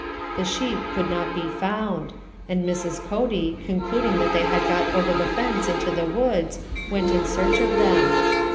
The sheep could not be found, and Mrs. Cody, concluding that they had got over the fence into the woods, went in search of them.